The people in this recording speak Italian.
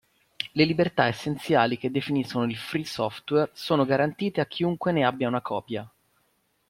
Le libertà essenziali che definiscono il "free software" sono garantite a chiunque ne abbia una copia.